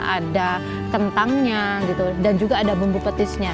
ada kentangnya gitu dan juga ada bumbu petisnya